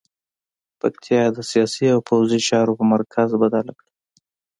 پکتیا یې د سیاسي او پوځي چارو په مرکز بدله کړه.